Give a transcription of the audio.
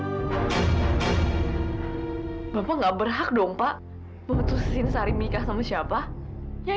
hai bapak nggak berhak dong pak memutuskan sari nikah sama siapa yang